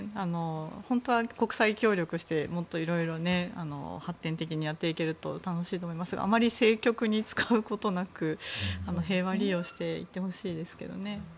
本当は国際協力してもっと色々発展的にやっていけると楽しいと思いますがあまり政局に使うことなく平和利用していってほしいですけどね。